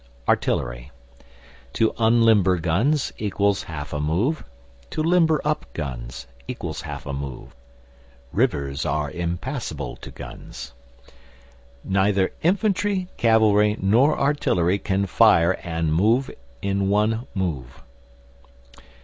Artillery. To unlimber guns = half a move. To limber up guns = half a move. Rivers are impassable to guns. NEITHER INFANTRY, CAVALRY, NOR ARTILLERY CAN FIRE AND MOVE IN ONE MOVE.